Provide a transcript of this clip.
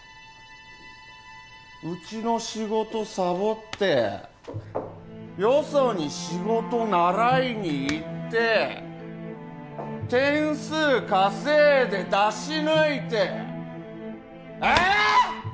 うちの仕事サボってよそに仕事習いに行って点数稼いで出し抜いてえーッ！